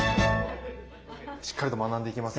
しっかりと学んでいきますよ。